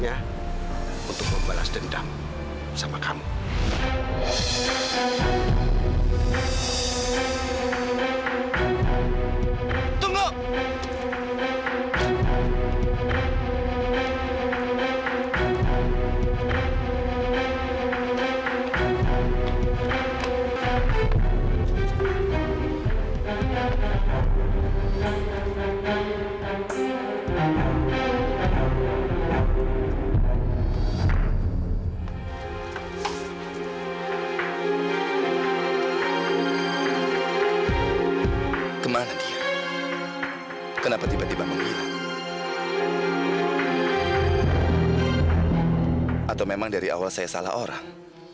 atau memang dari awal saya salah orang